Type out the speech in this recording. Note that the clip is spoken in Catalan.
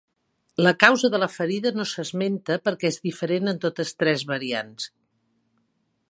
La causa de la ferida no s'esmenta perquè és diferent en totes tres variants.